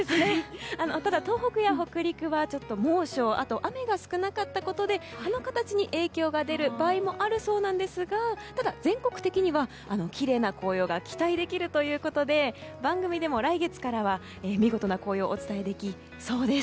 ただ、東北や北陸は猛暑あとは雨が少なかったことで葉の形に影響が出る場合もあるそうなんですがただ全国的には、きれいな紅葉が期待できるということで番組でも来月からは見事な紅葉をお伝えできそうです。